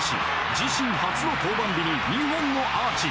自身初の登板日に２本のアーチ。